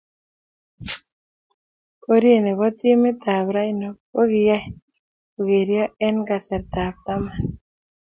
Borye ne bo timit ab Rhino ko kiyay kokerio eng kasartab taman